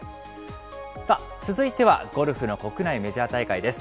さあ、続いてはゴルフの国内メジャー大会です。